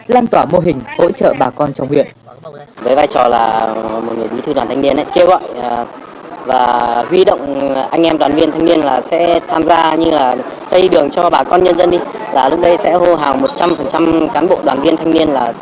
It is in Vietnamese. lan tỏa mô hình hỗ trợ bà con trong huyện